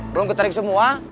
belum ketarik semua